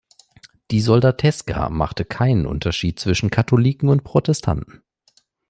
Die Soldateska machte keinen Unterschied zwischen Katholiken und Protestanten.